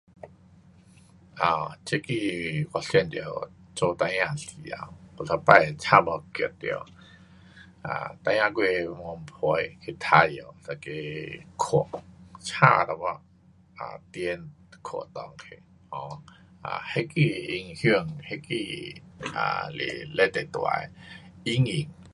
啊，这个我想到做孩儿时头，有一次差一点溺到，孩儿时候顽皮去玩耍一个坑，差一点沉坑内去，um 那个影响那个是非常大的阴影。